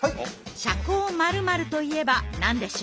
社交○○といえば何でしょう？